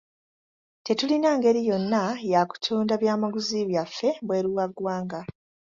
Tetulina ngeri yonna ya kutunda byamaguzi byaffe bweru wa ggwanga.